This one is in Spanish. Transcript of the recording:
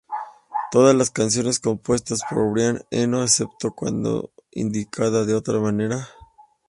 Todas las canciones compuestas por Brian Eno excepto cuando indicado de otra manera.